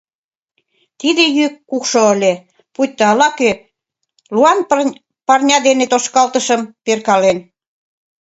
Тиде йӱк кукшо ыле, пуйто ала-кӧ луан парня дене тошкалтышым перкален.